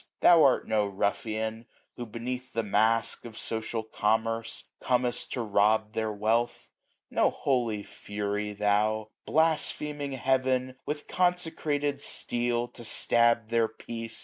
Thou art no rufEan, who beneath the mask Of social commerce com'st to rob their wealth ; No holy Fury thou ; blaspheming Heaven, 755 With consecrated steel to stab their peace.